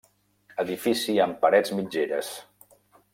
Edifici amb parets mitgeres.